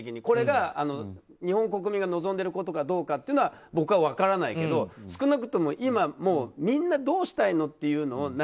これが日本国民が望んでることかどうかは僕は分からないけど少なくとも今、みんなどうしたいのっていうのを